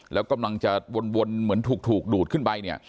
แล้วกำลังจะบวนเหมือนถูกดูกขึ้นไป